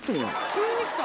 急に来た。